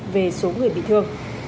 về số người bị thương